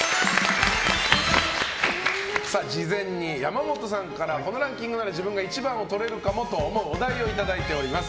事前に山本さんからこのランキングなら自分が１番をとれるかもと思うお題をいただいております。